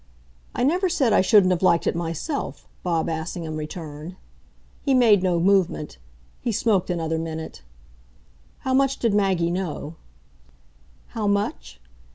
"I never said I shouldn't have liked it myself," Bob Assingham returned. He made no movement; he smoked another minute. "How much did Maggie know?" "How much?"